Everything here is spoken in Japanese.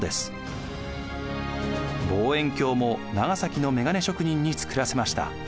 望遠鏡も長崎の眼鏡職人に作らせました。